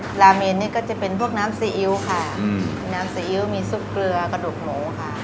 ราเมนนี่ก็จะเป็นพวกน้ำซีอิ๊วค่ะน้ำซีอิ๊วมีซุปเกลือกระดูกหมูค่ะ